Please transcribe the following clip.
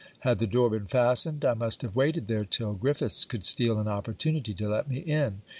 Had the door been fastened, I must have waited there till Griffiths could steal an opportunity to let me in.